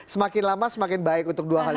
semakin lama semakin baik untuk dua hal ini